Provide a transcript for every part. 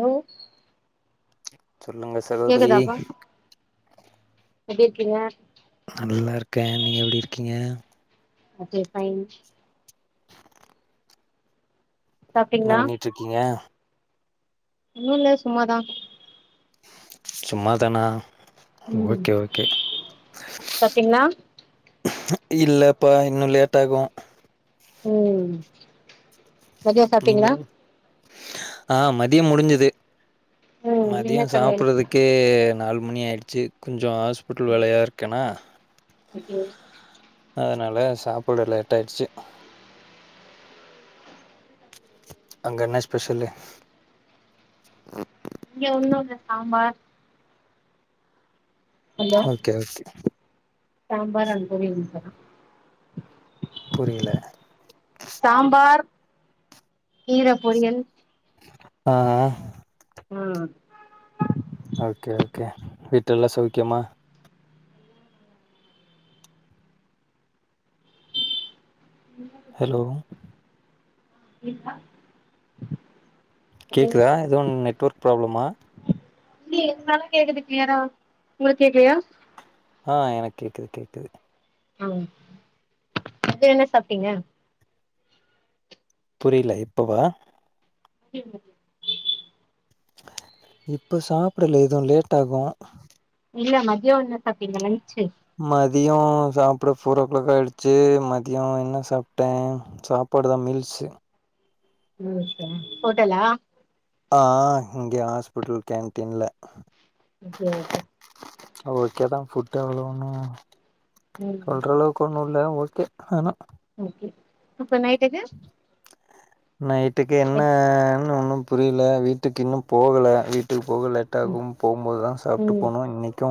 ஓ சொல்லுங்க சகோதரி கேக்குதாப்பா எப்டி இருக்கீங்க நல்லா இருக்கே நீங்க எப்டி இருக்கீங்க ஓகே ஃபைன் சாப்ட்டீங்களா என்ன பண்ணிட்ருக்கீங்க ஒன்னு இல்ல சும்மாதா சும்மா தானா ம் ஓகே ஓகே சாப்ட்டீங்களா இல்லப்பா இன்னு லேட் ஆகு ம் மதியோ நீங்க சாப்ட்டீங்களா ஆ மதியம் முடிஞ்சுது ம் என்ன மதியம் சமையல் சாப்படுறதுக்கே நாலு மணி ஆயிடுச்சு கொஞ்சோ ஆஸ் பிட்டல் வேலையா இருக்கேன்னா ஓகே அதனால சாப்பட லேட் ஆயிடுச்சு அங்க என்னா ஸ்பெஷலு இங்க ஒன்னு இல்ல sambar hello okay okay sambar and பொரியல் மட்டுந்தா புரியல சாம்பார் கீர பொரியல் ஆ ஆ ம் ஓகே ஓகே வீட்டுல‌ எல்லா சௌக்கியமா ஹலோ இதா கேக்குதா எதுவு நெட்ஒர்க் ப்ராப்ளமா இல்லையே எதுனாலு கேக்குது கிளியரா உங்களுக்கு கேக்கலையா ஆ எனக்கு கேக்குது கேக்குது ஆ இப்ப என்ன சாப்பிட்டீங்க புரியல இப்பவ இருந்தது இப்ப சாப்பிடல எதுவு லேட் ஆகு இல்ல மதியம் என்ன சாப்பிட்டீங்க லஞ்ச் மதியம் சாப்பிட ஃபோரோ கிளாக் ஆயிடுச்சு மதிய என்ன சாப்பிட்டே சாப்பாடு தா மில்ஸ் ம் ஹோட்டலா ஆ ஆ இங்கே ஹாஸ்பிட்டல் கேன்டீன்ல ஓகே ஓகே ஓகே தா ஃபுட் அவ்வளோ ம் ஒன்னுசொல்ற அளவுக்கு கொண்ணு இல்ல ஓகே ஆனா ஓகே அப்ப நைட்டுக்கு நைட்டுக்கு என்னன்னு ஒன்னு புரியல வீட்டுக்கு இன்னு போகல வீட்டுக்கு போகல லேட் ம் லேட்டாகு போ போதுதா சாப்பிட்டு ம் போனு இன்னைக்கு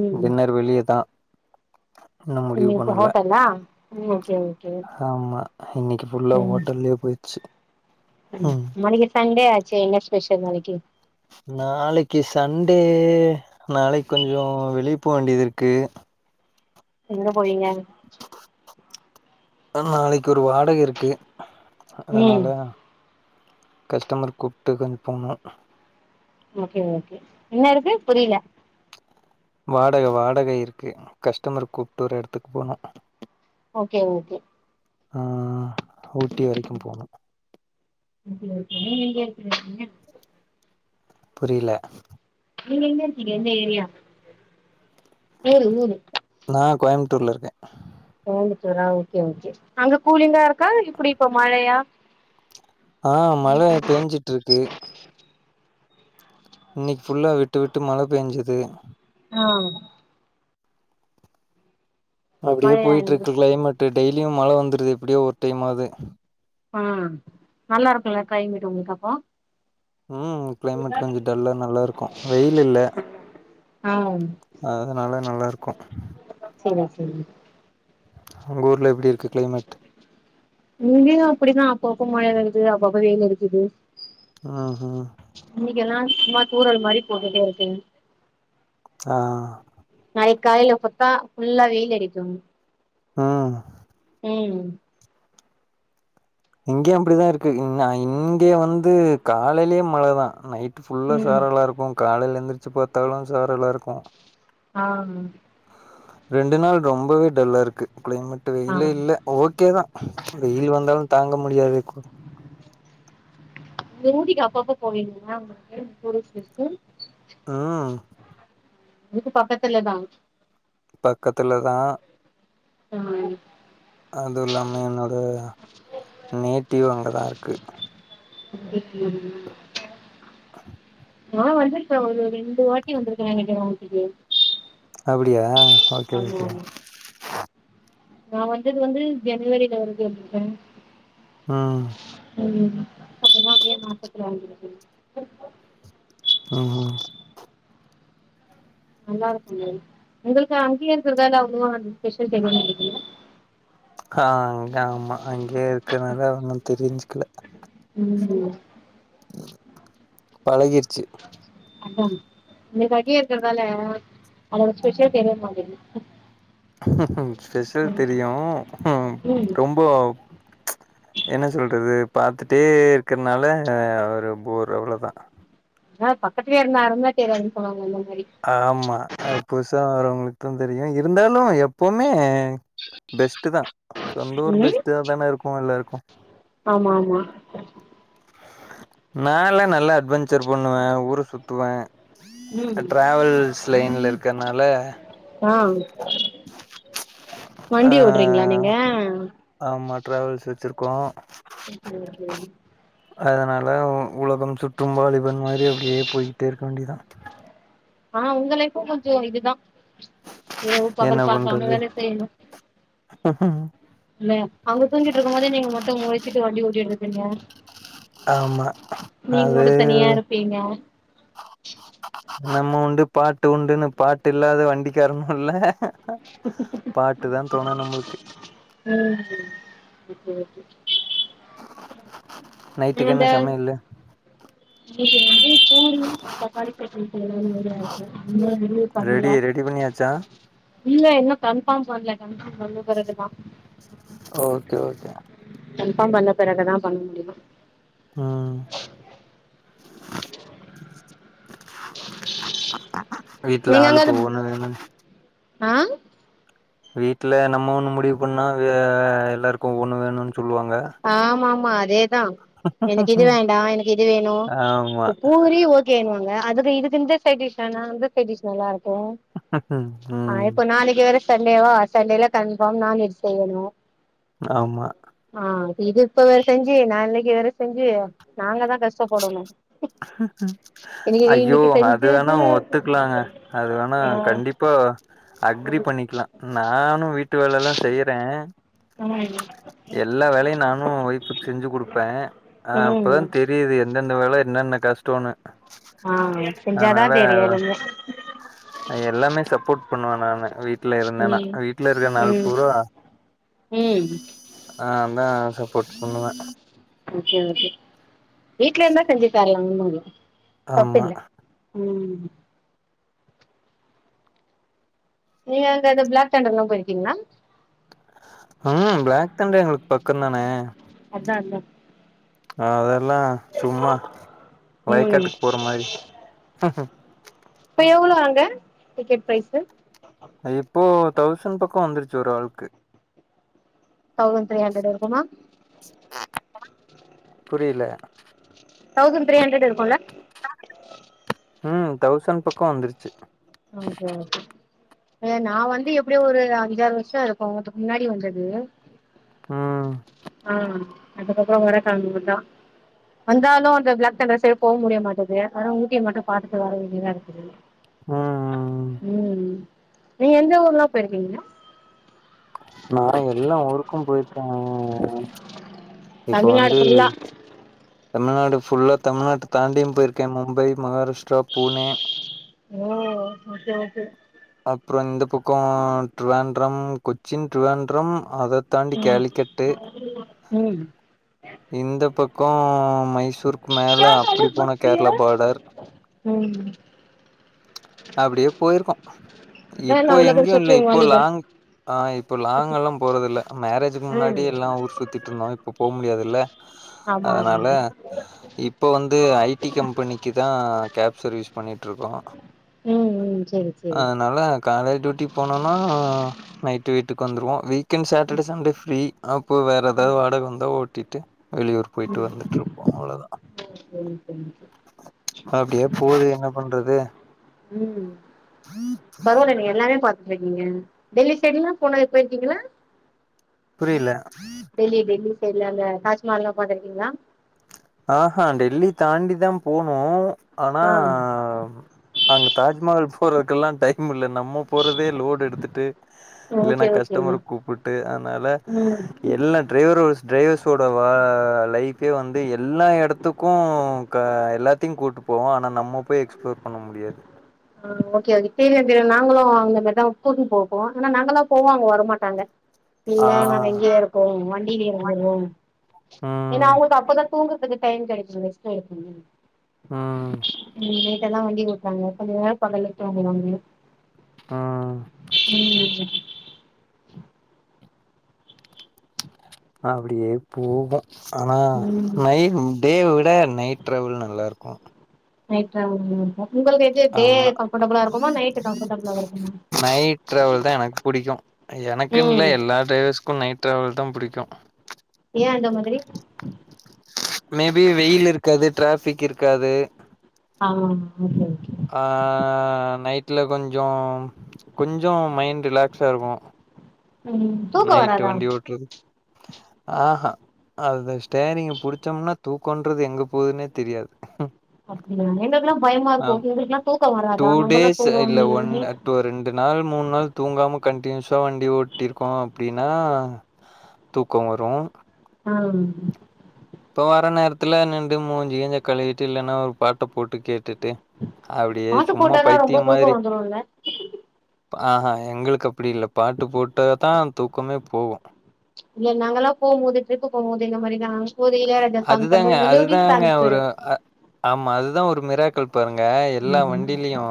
ம் டின்னர் வெளியே தா இன் இப்ப ஹோட்டல்லா இன்னாகி ஆமா இன்னைக்கு புல்ல ஹோட்டல்லயே போயிடுச்சு நாளைக்கு சண்டே ஆச்சு என்ன ஸ்பெஷல் நாளைக்குக்கு நாளைக்கு சண்டே நாளைக்கு கொஞ்சோ வெளியே போக வேண்டியது இருக்கு எங்க போவிங்க நாளைக்கு ஒரு வாடகை இருக்கு ம் அதனால கஸ்டமர் கூப்பிட்டு கொஞ்சோ போகணு ஓகே ஓகே என்ன இருக்கு புரியல வாடகை வாடகை இருக்கு கஸ்டமர் கூப்பிட்டு ஒரு இடத்துக்கு போனூ ஓகே ஓகே ஆஹ ஊட்டி வரைக்கு போனு ஓகே ஓகே நீ எங்கே இருங்க இங்க புரியல நீங்க எங்க இருக்கேங்க ஏந்த ஏரியா பேரு ஊரு நா கோயம்புத்தூர்ல இருக்கே கோயம்புத்தூரா ஓகே ஓகே அங்க கூலிங்கா இருக்கா இப்படி இப்ப மழையா ஆஹ் மழை பெஞ்சுட்டு இருக்கு இன்னேக்கு ஃபுல்லாக விட்டுவிட்டு மழை பெஞ்சுது ஆஹ் அப்டியே மழையா போயிட்டு இங்க இருக்கு கிளைமேட் டெய்லியு மழை வந்துருது எப்படியோ ஒரு டைம் ஆவது ஆஹ நல்லா இருக்கும்ல்ல கிளைமேட் உங்களுக்கு அப்போ ம் கிளைமேட் கொஞ்சோ டல்லா நல்லா இருக்கு வெயில் இல்ல ஆஹ் அதனால நல்லா நல்லா இருக்கு சேரிங்கா சேரிங்க உங்க ஊருல்ல எப்படி இருக்குது கிளைமேட் இங்கேயு அப்படிதா அப்ப அப்ப மழ இருக்குது அப்ப அப்ப வேயில் இருக்குது ஆஹஹ இன்னைக்க எல்லா சும்மா தூறல் மாதிரி போட்டுட்டே இருக்கு அ நாளைக்கு காலையில பாத்தா பஃபுல்லா வெயில் அடிக்கு ம் ம் இங்கேயு அப்டிதா இருக்கு இங்கே வந்து காலையிலியே மழதா நைட் ஃபுல்லா ம் சாரலா இருக்கு காலையில எந்திரிச்சு பாத்தாலு சாரலா இருக்கு அ ரெண்டு நாள் ரொம்பவே டல்லா இருக்கு க்ளைமேட் ஆ வெயில இல்ல ஓகேதா வெயில்லு வந்தாலு தாங்க முடியாதுக்கு ஊட்டிக்கு அப்பப்ப போவீங்ளாங்க டூரிஸ்ட்டு ப்ளேஸ்க்கு அ இது பக்கத்துலதா பக்கத்துலதா ம் அது இல்லாமே எனக்கு நேட்டிவ் அங்கதா இருக்கு பேட்டில் எவ்ளோவருது ஆ ஒரு ரெண்டு வாட்டி வந்ருக்க நெனைக்குற ஊட்டிக்கு அப்டியா ஓகே ஆமா ஓகே ஆமா நா வந்தது வந்து ஜனவரியில ஒரிடு வந்ருக்கே அ ம் அப்பதா மே மாசத்துல வந்ருக்க ம் நல்லா இருக்கும் மே உங்ளுக்கு அங்கேய இருக்கர்தால அவ்ளோவா அந்த ஸ்பெஷல் [unintelligible] அக்கா ங்க அங்க ஆமா அங்கேயே இருக்கனால ஒன்னு தெரிஞ்சுக்ல ம் பழகிர்ச்சு [unintelligible] நீங்க அங்கயே இருக்றதால அதோட ஃஸ்பெஷல் தெரிய மாட்டேங்குது ஸ்பெஷல் ம் தெரியு ம் ரொம்போ என்ன சொல்றது பாத்துட்டே இருக்கற்னால அவரு போரு அவ்ளோதா அ பக்கத்துலயே இருந்தா அரும தெரியாது சொல்லுவாங்ள அந்த மாரி ஆமா அது புதுசா வரவங்ளுக்கு தெரியு இருந்தாலு எப்பவுமே பெஸ்ட்தா சொந்த ஊர் ம் பெஸ்ட் தானே இருக்கு எல்லாருக்கு ஆமா ஆமா நால்லா நல்ல அட்வேஞ்சர் பண்ணுவே ஊர சுத்துவே ம் டிராவல்ஸ் லைன்ல இருக்ற்னால ஆ அ வண்டி ஓட்றீங்களா நீங்க ஆமா ட்ராவல்ஸ் வச்ருக்கோ சேரி சேரி அதனால உலகம் சுற்றும் வாலிபன் மாரி அப்டியே பொய்கிட்டே இருக்க வேண்டியதா அ உங்க லைஃப்பு கொஞ்சோ இதுதா இரவு என்ன பகல் பாக்காம பண்றது வேல செய்யணு இல்ல அவுங்க தூங்கிட்ருக்கு போதே நீங்க மட்டு முழிச்சிட்டு வண்டி ஓட்டிட்டு இருக்கீங்க ஆமா நீங்க அது மட்டு தனியாருப்பீங்க நம்ம உண்டு பாட்டு உண்டுன்னு பாட்டு இல்லாத வண்டிக்காரணு இல்ல பாட்டு தா தொண நம்மளுக்கு ம் நைட்டுக்கு என்ன சமையல்லு இன்னைக்கி வந்து பூரி தக்காளி தொக்கு செய்யிறமாரி இருக்கு இன்னு முடிவு பண்ணல ரெடி ரெடி பண்ணியாச்சா இல்ல இன்னு கன்ஃபார்ம் பண்ணல கன்ஃபார்ம் பண்ண பிறகுதா ஓகே ஓகே கன்ஃபார்ம் பண்ண பெறகுதா பண்ண முடியு ம் வீட்ல நீங்க ஆளுக்கு அங்கது ஒவ்வொன்னு வேணுன் ஆ வீட்ல நம்ம ஒண்ணு முடிவு பண்ணா அது எல்லாருக்கு ஒண்ணு வேணுன்னு சொல்லுவாங்க ஆமாமா அதேதா எனக்கு இது வேண்டா எனக்கு இது வேணு ஆமா இப்ப பூரி ஓகேண்வாங்க அதுக்கு இதுக்கு இந்த சைட் டிஷ் வேனா அந்த சைட்டிஷ் நல்லாருக்கு ஆ ம் இப்போ நாளைக்கி வேற சண்டேவா சண்டேல கன்ஃபார்ம் நான்வெஜ் இது செய்யணு ஆமா ஆ இது இப்ப வேற செஞ்சு நா இன்னக்கி வேற செஞ்சு நாங்க தா கஷ்டப்படணு [unintelligible] ஐயோ அது வேணா செஞ்சது ஒத்துக்கலாங்க அது வேணா ம் கண்டிப்பா அக்ரி பண்ணிக்கலா நானு வீட்டு வேலலா செய்யிறே ம் எல்லா வேலையு நானு ஒய்ஃப்க்கு செஞ்சு குடுப்பே ஆ ம் அப்பதா ம் தெரியுது எந்தந்த வேல என்னன்ன கஷ்டோனு ஆ செஞ்சாதா தெரியு எதுவுமே அ எல்லாமே சப்போர்ட் பண்ணுவே நானு வீட்ல இருந்தேன்னா ம் வீட்ல இருக்குற நாள் ம் பூரா ம் ஆ அதா சப்போர்ட் பண்ணுவே ஓகே ஓகே வீடலருந்தா செஞ்சு தரலங்க ஆமா தப்பில்ல ம் நீங்க அங்கது பிளாக் தெண்டர்ல்லா போயிருக்கீங்களா ம் பிளாக் தெண்டர் எங்களுக்கு பக்கோதான அதா அதா அதெல்லா சும்மா ம் வயக்காட்டுக்கு போற மாரி இப்போ எவ்ளோ அங்க டிக்கெட் ப்ரைஸு இப்போ தௌசண்ட் பக்கோ வந்துருச்சு ஒரு ஆளுக்கு தௌசண்ட் த்ரீ ஹண்ட்ரட் இருக்குமா புரியல தௌசண்ட் த்ரீ ஹண்றட் இருக்குல்ல ம் தௌசன் பக்கோ வந்துருச்சு ஓகே ஓகே அ நா வந்து எப்படியோ ஒரு ஐஞ்சாறு வருஷோ இருக்கு அதுக்கு முன்னாடி வந்தது ம் ஆ அதுக்கப்புறோ வரக்கனுமுத்தா வந்தாலு அந்த பிளாக் தெண்ட்டர்ஷே போக முடிய மாட்டது அதா ஊட்டியை மட்டு பாத்துட்டு வர வேண்டியதாருக்குது ம் நீங்க எந்த ஊர்லா போயிருக்கீங்க நா எல்லா ஊருக்கு போயிருக்கோங்க தமிழ்நாடு ஃபுல்லா தமிழ்நாடு ஃபுல்லா தமிழ்நாட்டு தாண்டியு போயிருக்க மும்பை மகாராஷ்டிரா பூனே ஓ ஓகே ஓகே அப்றோ இந்த பக்கோ ட்ரிவேண்ரம் கொச்சின் ட்ரிவேண்டரம் அத தாண்டி ம் கேளிக்கட்டு ம் இந்த பக் கோ மைசூருக்கு மேல அப்டி போன கேரளா பார்டர் ம் அப்டே போய்ருக்கோ அதா நா இப்போ உலகம் எங்கியு இல்ல சுற்றும் இப்போ வாலிபன் லாங் ஆ இப்போ லாங்க் எல்லா போறதுல்ல மேரேஜுக்கு ம் முன்னாடி எல்லா ஊர் சுத்திட்டு இருந்தோ இப்ப போ முடியாதுல்ல ஆமா ஆமா இப்ப வந்து ஐ டி கம்பெனிக்கு தா கேப் சர்வீஸ் பண்ணிட்டுருக்கோ ம் ம் சரி அதனால காலை டியூட்டி போனோனா நைட்டு வீட்டுக்கு வந்துருவோ weekend Saturday Sunday free அப்போ வேற எதா வாடக வந்தா ஓட்டிட்டு வெளியூர் போய்ட்டு வந்துட்டு இருப்போ அவ்ளதா சரி சரிங்க அப்டே போது என்ன பண்றது ம் பரவால்ல நீ எல்லாமே பாத் க்கீங்க டெல்லி சைட் எல்லா போனது போய்ருகீங்களா புரில டெல்லி டெல்லி சைட்ல அந்த தாஜ்மஹால்லா பாத்துருக்கீங்க ளா ஆஹா டெல்லி தாண்டி தா போனூ ஆனா ஆ அங்க தாஜ்மஹால் போறக்கெல்லா டைம் இல்ல நம்ம போறதே லோடு் எடுத்துட்டு இல்லன்னா ஓகே ஓகேங்க கஸ்டமரு கூப்புட்டு அதனால ம் எல்லா டிரைவரு டிரைவர்ஸோட வ லைஃபே வந்து எல்லா எடத்துக்கு க எல்லாத்தையு கூப்ட்டு போவோ ஆனா நம்ம போய் எக்ஸ்ப்ளோர் பண்ண முடியாது ஆ ஓகே ஓகே தெரியு தெரியு நாங்களு அந்த மாரிதா கூட்ன்னு போவ போவோ ஆனா நாங்களா போவோ அவங்க வரமாட்டாங்க இல்ல ஆ நாங்க இங்கயே இருக்கோ வண்டியிலே இருந்துர்றோ ஏன்னா ம் அவுங்களுக்கு அப்ப தா தூங்கறத்துக்கு டைம் கெடைக்கு ரெஸ்ட் எடுக்கனு ம் ம் நைட்டு எல்லா வண்டி ஒட்றாங்க கொஞ்ச நேரோ பகல்ல தூங்குவாங்க ஆ ம் அப்டியே போவோ அனா ம் மை டேவ விட நைட் டிராவல் நல்லாருக்கு நைட் டிராவல் நல்லார்க்கா ஆமா நைட் கம்ஃபர்டபுளா இருக்குமா நைட் டிராவல் தா எனக்கு புடிக்கு எனக்குன்னு இல்ல ம் எல்லா டிரைவர்ஸ்க்கு நைட் டிராவல் தா புடிக்கு ஏ அந்த மாதிரி மேபி வெயில் இருக்காது டிராஃபிக் இருக்காது ஆமா ஓகே ஓகே ஆ நைட்ல கொஞ்சோ கொஞ்சோ மைண்ட் ரிலாக்ஸ்சா இருக்கு ம் தூக்கோ நைட்டு வராதா வண்டி ஓட்றது ஆஹா அத ஸ்டேரிங்க புடிச்சம்னா தூக்கன்றது எங்க போதுனே தெரியாது அப்டிங்களா எங்களுக்குலா பயமா ஆம் இருக்கு எங்களுக்குலா தூக்கோ டூ வராதா நம்பலா தூங்குவோமே ரெண்ட் நாள் மூணு நாள் தூங்காம கண்டினியூஸா வண்டி ஓட்டிர் கோ அப்டின்னா தூக்கோ வரு ஆம் இப்ப வர நேரத்துல நிண்டு மூஞ்சு கீஞ்ச கழுவிட்டு இல்லன்னா ஒரு பாட்ட போட்டு கேட்டுட்டு அப்டியே பாட்டு சும்மா போட்டாதா ரொம்ப பைத்தியம் தூக்கோ மாதிரி வந்துருல்ல ஆஹா எங்களுக்கு அப்படி இல்ல பாட்டு போட்டாதா தூக்கமே போவு இல்ல நாங்கலா போம் போது ட்ரிப்பு போம்போது இந்த மாரிதா அதுதாங்க அதுதாங்க ஒரு அ ஆமா அதுதா ஒரு மிராக்கள் பாருங்க எல்லா வண்டிலியு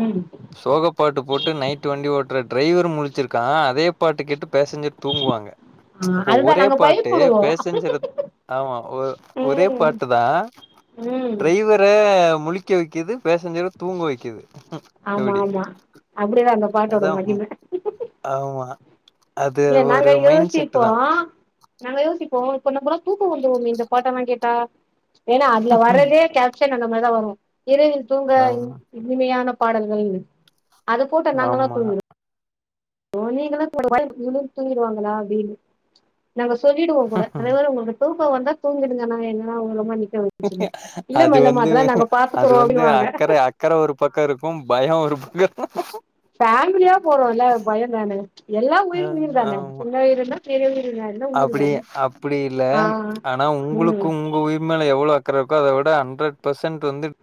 ம் சோக பாட்டு போட்டு நைட்டு வண்டி ஓட்ற டிரைவரு முழிச்சிருக்கான் அதே பாட்டு கேட்டு பேசஞ்சர் தூங்குவாங்க ஆ அப்போ அதுதா ஒரே நாங்க பாட்டு பயப்படுவோ பேசஞ்சர ஆமா ஒ ஒரே ம் பாட்டு தா ம் டிரை வரு முழிக்க வைக்குது பேசஞ்சர தூங்க வைக்குது ஆமா எப்டி ஆமா அப்டிதா அந்த பாட்டோட அதா மகிம ஆமா அது இல்ல நாங்க ஒரு மைண்ட் செட்டு யோசிப்போ தா நாங்க யோசிப்போ கொஞ்ச போனா தூக்கோ வந்துருமே இந்த பாட்டு எல்லா கேட்டா ஏன்னா அதுல வரலே [unintelligible] அந்த மாரிதா வரு இரவில் தூங்க ஆமா இனிமையான பாடல்கள் அது போட்டா நாங்கலா ஆமா தூங்குவோ ஓ நீங்களு [inaudible] போட நீங்களு தூங்கிடுவாங்களா அப்டின்னு நாங்க சொல்லிடுவோ கூட டிரைவரு உங்களுக்கு தூக்க வந்தா தூங்கிடுங்க நாங்க என்னன்னா ஓரமா நிக்க வைக் அது வந்து அது பாத்துக்குறோ வந்து அப்டின்னுவாங்க அக்கற அக்கற ஒரு பக்க இருக்கு பயம் ஃபேமிலியா போறோல பயந்தான எல்லா உயிரு உயிர் தானே சின்ன உயிருன்னா பெரிய உயிருன்னா அப்படியே அப்படி இல்ல ஆனா ம் உங்குளுக்கு உங்க உயிர் மேல எவ்ளோ அக்கற இருக்கோ அத விட ஹண்ட்ரட் பெர்சன்ட் வந்து